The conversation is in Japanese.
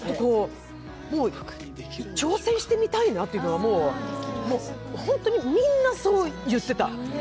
挑戦してみたいなっていうのが、もう、みんなそう言ってた。